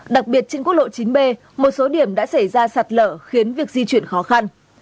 đặc biệt trên quốc lộ chín b một số điểm đã xảy ra sạt lở khiến việc di chuyển khó khăn